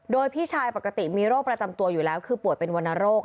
โดยพี่ชายปกติมีโรคประจำตัวอยู่แล้วคือป่วยเป็นวรรณโรค